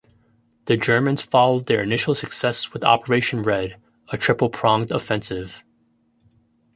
The Germans followed their initial success with Operation Red, a triple-pronged offensive.